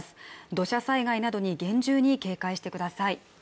土砂災害などに厳重に警戒してください。